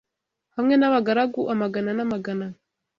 hamwe n’abagaragu amagana n’amagana